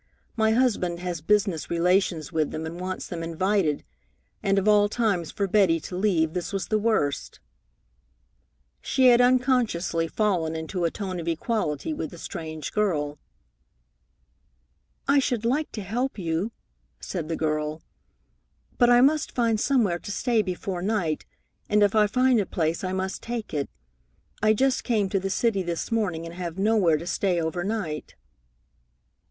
My husband has business relations with them and wants them invited, and of all times for Betty to leave this was the worst!" She had unconsciously fallen into a tone of equality with the strange girl. "I should like to help you," said the girl, "but I must find somewhere to stay before night, and if I find a place I must take it. I just came to the city this morning, and have nowhere to stay overnight."